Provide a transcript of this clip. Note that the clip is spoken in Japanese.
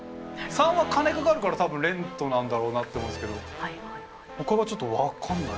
③は金かかるから多分「ｒｅｎｔ」なんだろうなって思うんですけどほかがちょっと分かんない。